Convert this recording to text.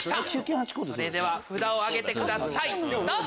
それでは札を挙げてくださいどうぞ！